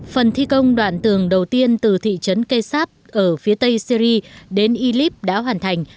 phần thi công đoạn tường đầu tiên từ thị trấn kap ở phía tây syri đến ip đã hoàn thành